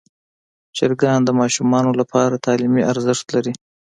چرګان د ماشومانو لپاره تعلیمي ارزښت لري.